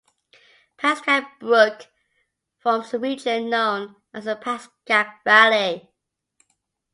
Pascack Brook forms a region known as the Pascack Valley.